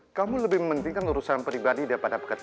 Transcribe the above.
kamu lebih mementingkan urusan pribadi daripada pekerjaan